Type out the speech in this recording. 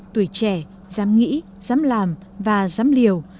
tuổi trẻ dám nghĩ dám làm và dám liều